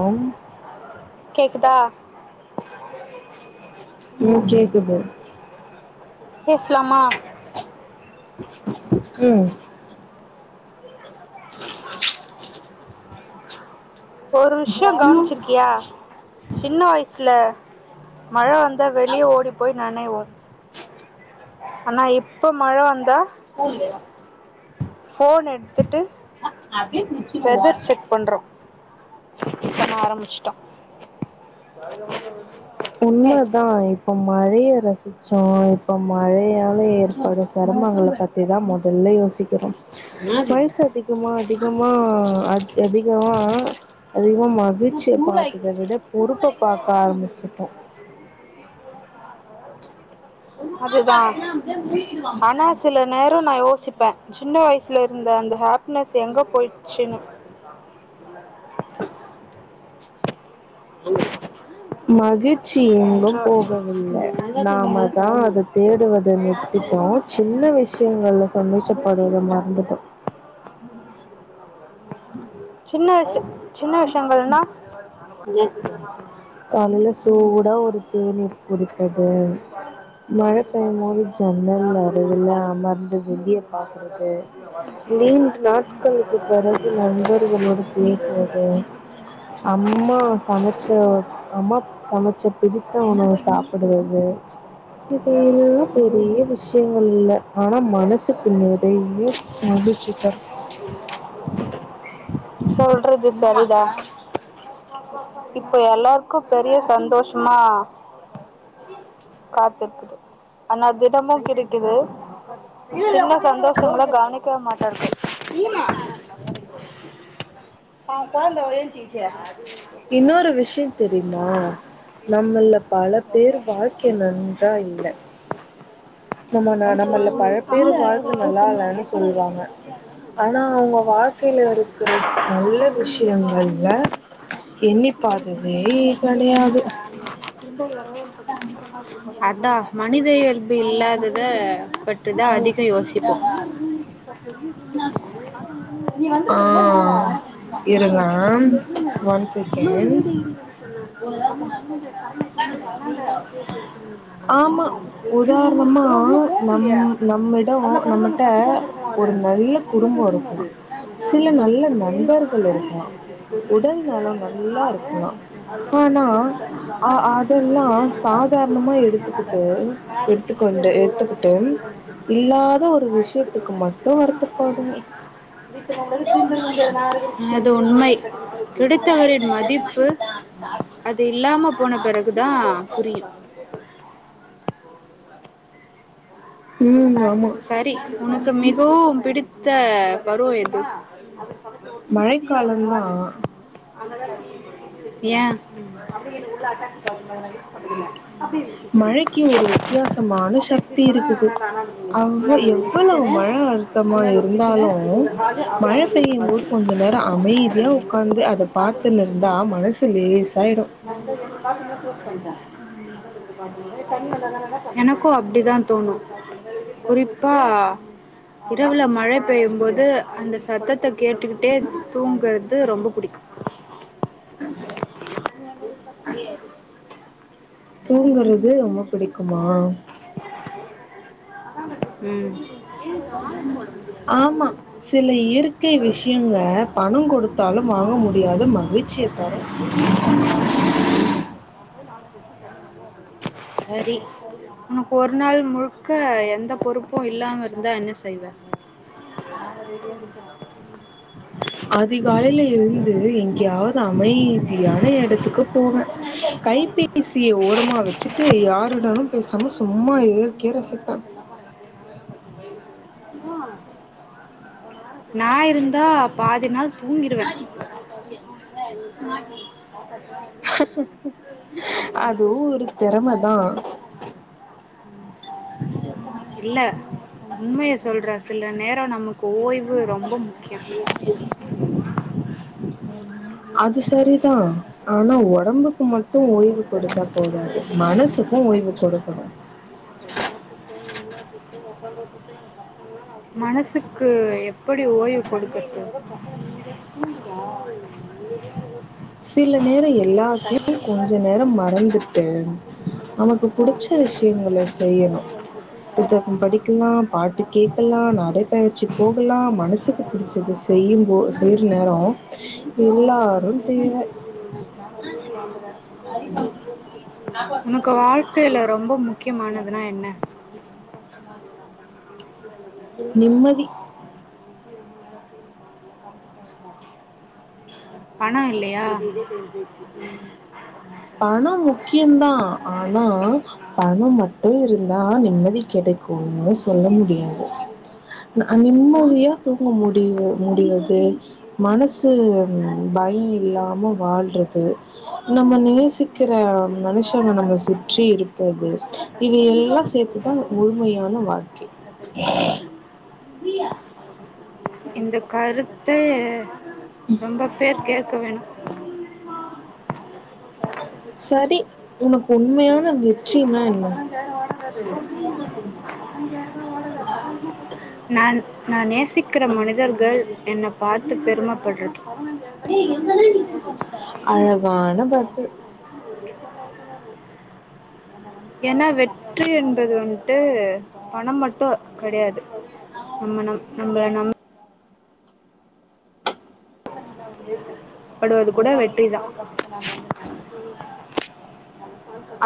ஆம் கேக்குதா உம் கேக்குது பேசலாமா உம் ஒரு விஷயம் கவனிச்சுருக்கியா சின்ன வயசு ல மழை வந்தா வெளியே ஓடி போய் நனைவோம் ஆனா இப்ப மழை வந்தா [unintelligible] போன் எடுத்துட்டு அப்பிடியே குச்சுன்னு வெதர் ஒட்ன செக் பண்றோ பண்ண ஆரம்பிச்சுட்டோம் உண்மையா தான் இப்ப மழைய ரசிச்சோம் இப்ப மழையால ஏற்படும் சிரமங்கள பத்திதான் முதல்ல யோசிக்கிறோம் வயசு அதிகமா அதிகமா அதிகமா அதிகமா மகிழ்ச்சிய பாக்குறது விட பொறுப்ப பாக்க ஆரம்பிச்சு போ அதுதான் ஆனா சில நேரம் நான் யோசி நெனச்சிப்பேன் சின்ன வயசுல இருந்த அந்த ஹாப்னஸ் எங்க போயி ச்சினு [inaudible] செல்லுங்க மகித் சி எங்கும் என்றார் போகவில்லை நாம தான் அதை தேடுவதை நிறுத்திட்டோம் சின்ன விஷயங்கள்ல சந்தோஷப்படுவதை மறந்துட்டோம் சின்ன வயசு சின்ன விஷயங்கள் நா காலைல சூடா ஒரு தேநீர் டீ குடிப்பது மழை பெய்யும்போது ஜன்னல் நடுவுல அமர்ந்து வெளியே பாக்குறது நீீண்ட நாட்களுக்கு பிறகு நண்பர்களோடு பேசுவது அம்மா சமைச்ச அம்மா சமைச்ச பிடித்த உணவு சாப் து அது இதையெல்லாம் பெரிய விஷயங்கள் இல்ல ஆனா மனசுக்கு நிறைய விஜுத்தர் அன் இன்டர்ஜிபில் சொல்றது சரிடா இப்போ எல்லாருக்கும் பெரிய சந்தோஷமா காத்திருக்குது ஆனா திடமும் கிடைக்குது சின்ன சந்தோஷங்க கவனிக்க மாட்டது ஆ குழந்தை ஏன்சிச்கிச்சி இன்னொரு விஷயம் தெரியுமா நம்மல பல பேர் வாழ்க்கை நன்றா இல்ல நம்ம அடிச்சு நம்மள்ல வாங்கி பல பேர் இல்ல வாழ்க்கை ரொம்ப நல்லா சொன்னாரு இல்லன்னு எப்படா சொல்லுவாங்க வெளியில ஆனா அவுங்க வாழ்க்கையில இருக் இருக்கிற நல்ல விஷயங்கள்ல எண்ணிப்பாததே கிடையாது அதான் மனித இய இல்லாதத பற்றி தான் அதிகம் யோசிப்போம் [inaudible] இருக்குல மேல ஆ இருங்க அது வந்து பெட்ரூம் ஒன் இன்னொரு செகண்ட் வீடு இருக்குது சொன்னாங்க ஆமா அந்தான்ட டர்ணிங் திரும்புனா ஆமா. அந்தாண்ட பெரிய ரூம் உதாரணமா இப்ப எல்லாம் உள்ள போ நம் முடியலயே நம்மிடம் அதுல நம்மட்ட படுக்கலாம் பத்து பேர் படுக்கலாம் ஒரு நல்ல அவ்ளோ குடும்பம் பெட்ரூம் அது இருக்கலாம். சில நல்ல ஒரே நண்பர்கள் ரூமு இருக்கலாம் உடல் நலம் பெரிய நல்லா ஹாலு இருக்கலாம் அதில் கொஞ்சம் ஆனா செட்டு கட்டிருக்காங்க அஹ கிச்சன் அதெல்லாம் சாதாரணமா கிச்சனெல்லாம் இல்லை எடுத்துக்கிட்டு மேரேஜ் கிச்சனுக்கு எடுத்துக்கொண்டு அந்த ஒரு ஆள் தான் எடுத்துக்கிட்டு வெளியே இல்லாத ஒரு விஷயத்துக்கு மட்டும் ரொம்ப வருதபடுவேன் அது உண்மை கிடுத்தவரின் மதிப்பு அது இல்லாம போன பிறகுதான் புரியும் ம் ஆமா. சரி உனக்கு மிகவும் பிடித்த [unintelligible] எங்க விட்ல குட்டிய ஒரு ஹாலு மழைக்காலந்தான் அங்கதான் டிவி ஃபிர்ஜி வச்சிருக்கோ ஏன் அப்டியே உள்ள ஹட்டாச் பாத்ரூம் அத நாங்க யூஸ் பண்றதில்ல மழைக்கு ஒரு வித்தியாசமான சக்தி இருக்குது சாமிரூம் அவ் இன்னான்டா ஒரு எவ்வளவு கிச்சனு மழை அழுத்தமா அன்னான்ட ஒரு கிச்சனு இருந்தாலும் இது ஒரு ஹாலு அப்டியே மழை அங்க ஒரு பெய்யும் போது பாத்ரூம் கொஞ்ச நேரம் அமைதியா உட்காந்து அத [inaudible] பார்த்துன்னு இருந்தா மனசு லேசாயிடு பாத்ரூம்ல குளோஸ் பண்டேன் [unintelligible] எனக்கு அப்டிதான் தோணும் குறிப்பா இரவுல மழ பெய்யும் போது அந்த சத்தத்த கேட்டுக்கிட்டே தூங்குறது ரொம்ப பிடிக்கும் ஏ தூங்குறது ரொம்ப பிடிக்குமா உம் ஆமா சில இயற்கை விஷயங்க பணம் கொடுத்தாலு வாங்க முடியாத மகிழ்ச்சிய தரு [unintelligible] சேரி ஒரு நாள் முழுக்க எந்த பொறுப்பு இல்லாம இருந்தா என்ன செய்வ அதிகாலையில எழுந்து எங்கயாவது அமைதியான எடத்துக்கு போவேன் கைப்பே சிய ஓரமா வச்சுட்டு யாருடனும் பேசாம சும்மா இருக்கிற செத்தா நா இருந்தா பாதி நாள் தூங்கிடுவேன் அதுவும் ஒரு திறமை தான் இல்ல உண்மைய சொல்ற சில நேர நமக்கு ஓய்வு இது ரொம்ப முக்கியம் அது சரிதா ஆனா உடம்புக்கு மட் டும் ஓய்வு கொடுத்தா போது மனசுக்கு ஓய்வு குடுக்கணும் மனசுக்கு எப்டி ஓய்வு கொடுக்கிறது சில நேர எல்லாத்தையும் கொஞ்சம் நேர மறந்துட்டு நமக்கு புடிச்ச விஷயங்கள செய்யணும் புத்தக்கம் படிக்கலாம் பாட்டு கேக்கலாம் நடைப்பயிற்சி போகலாம் மனசுக்கு பிடிச்சது செய்யும்போது செய்யற நேர எல்லாரும் தேவ உனக்கு வாழ்க்கையில ரொம்ப முக்கியமானதுன்னா என்ன [unintelligible] நிம்மதி பணம் இல்லயா பணம் முக்கியம்தா ஆனா பணம் மட்டும் இருந்தா நிம்மதி கெடைக்குமோ சொல்ல முடியாது நிம்மதியா தூங்க முடியும் முடியது மனசு பயம் இல்லாம வாழ்றது நம்ம நே இருக்கிற மனுஷங்க நம்ம சுற்றி இருப்பது இவையெல்லாம் சேர்த்துதான் முழுமையான வாழ்க்கை [unintelligible] இந்த கருப் பே ரொம்ப பேர் கே க்க வேணும் செரி உனக்கு உண்மயா நான் நான நேசிக்கிற மனிதர்கள் என்னை பார்த்து பெருமைப்படுறது அழகான பர்த் ஏன்னா வெற்றி என்பது வந்துட்டு பணம் மட்டும் கெடையாது நம்ம ந நம்மள நம் படுவது கூட வெற்றிதான்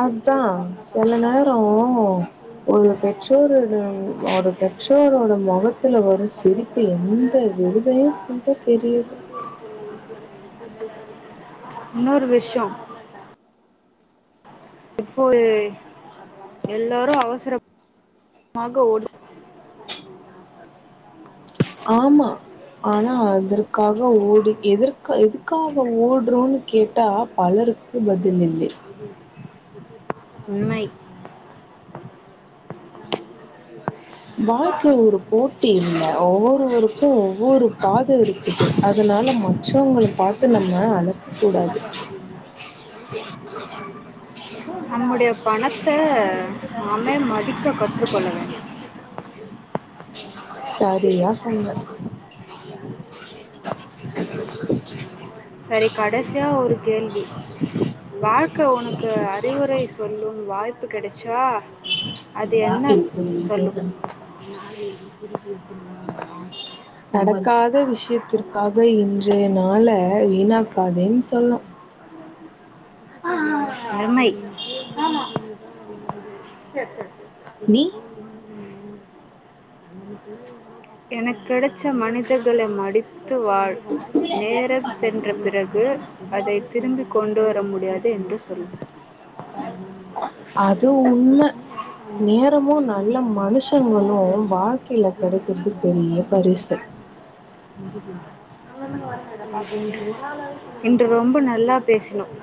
அதான் சில நேரம் ஒரு பெற்றோருட ஒரு பெற்றோரோட முகத்துல வரும் சிரிப்பு எந்த விருதையும் விட பெரியது இன்னொருவிஷம் எப்போது எல்லாரும் அவசரம் ஆகஓடு ஆமா ஆனா அதற்காக ஓடி எதற் எதுக்காக ஓடுறோன்னு கேட்டா பலருக்கு பதில் இல்லை உண்மை வாழ்க்கை ஒரு போட்டி இல்ல ஒவ்வொருவருக்கும் ஒவ்வொரு பாத இருக்குது அதனால மற்றவங்க பாத்து நம்ம அளக்க கூடாது நம்முடைய பணத்த நாமே மடிக்க கற்றுக்கொள்ளவேன்டும் சரியா சொன்னா [inaudible] செரி கடைசியா ஒரு கேள்வி வாழ்க்கை உனக்கு அறிவுரை சொல்லும் வாய்ப்பு கெடைச்சா ம் ஆச இருக்கனும் பேசணும் [inaudible] நடக்காத விஷயத்திற்காக இன்றைய நாள வீணாக் காதேன்னு சொல்லும் ஆஹ் அருமை ஆமா செரி செரி [inaudible] நீ எனக்கெடைச்ச மனிதர்களை மடித்து வாழ் நேரம் சென்ற பிறகு அதை திரும்பி கொண்டு வர முடி முடியாது என்று சொல் அது உண்மை நேரமும் நல்ல மனுஷங்களும் வாழ்க்கையில கிடைக்கறது பெரிய பரிசு இன்று ரொம்ப நல்லா பேசணும் [inaudible]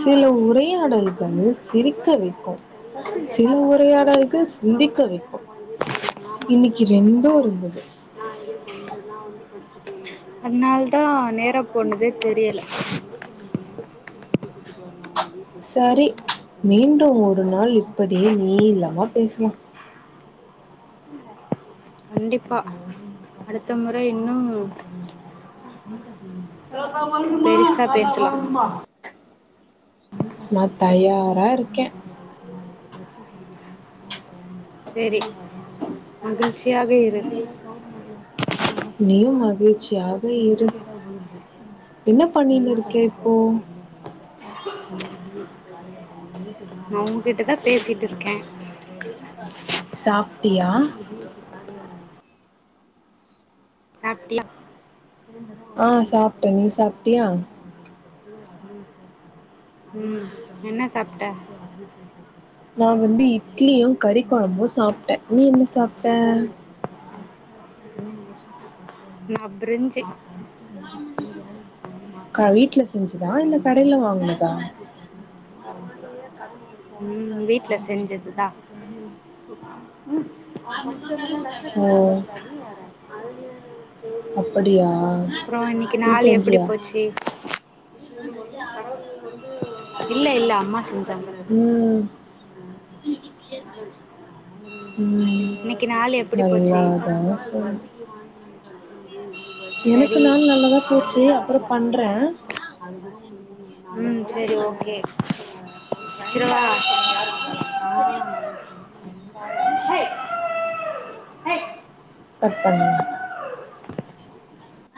சில உரையாடல்கள் பொண்ணு சிரிக்க வைக்கும் ஃபர்ஸ்ட் என் சில பாப்பா கடன் உரையாடல்கள் நான் சிந்திக்க வந்து வைக்கும் வேண்டாம் கொஞ்சம் இருக்கேன். நான் இன்னைக்கு மட்டும்தானே ரெண்டும் வரணும் இருந்தது நான் இங்கே வந்து நான் வந்து அதனால தான் நேர போனதே தெரியல சரி மீண்டும் ஒரு நாள் இப்படி நீலமா பேசலாம் கண்டிப்பா அடுத்த முறை இன்னும் பெரிசா பேசலாம் நான் தயாரா இருக்கேன் சேரி மகிழ்ச்சி நீயும் மகி மகிழ்ச்சியாக [unintelligible] இரு என்ன பண்ணினு இருக்க இப்போ நான் உன்கிட்ட தான் பேசிட்டு இருக்கேன் சாப்பிட்டியா சாப்புல்ல ஆ சாப்ட்டேன் நீ சாப்ட்டியா [unintelligible] உம் என்ன சாப்ட [unintelligible] நா வந்து இட்லியு கறி கொழம்பு சாப்ட்டே நீ என்ன சாப்ட்ட [unintelligible] நா பிரிஞ்சு யா இந்த கடையில வாங்கினுதா உம் வீட்டுல செஞ்சதுதான் அவ படிச்சிட்டுவந்தானா லட்ச ஓ லட்சமா சம்பாதிப்பா நீ வேற சரி அப்படியா அப்றோ இன்னைக்கு நீ நாள் எப்டி செஞ்சியா போச்சு இன்னைக்கு வந்து கடவுள் வந்து இல்ல இல்ல அம்மா செஞ்சாங்க உம் [inaudible] இன்னைக்கு நாலு எப்டி போச்சு செஞ் எனக்கு சரி நாள் நல்லதா போச்சு அப்றோ பண்றே உம் சரி ஓகே வச்சிரவா அவரு என்கிட்ட சொல்லி அனுப்பிச்சது [unintelligible] ஹை கட் பண்ணு [inaudible]